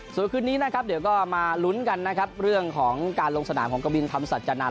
สู่คุณนี้เดี๋ยวก็มาลุ้นกันเรื่องของการลงสนามของกวบิรินทรรพสัจจันทร์